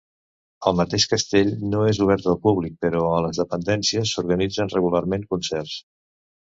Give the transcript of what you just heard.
El mateix castell no és obert al públic, però a les dependències s'organitzen regularment concerts.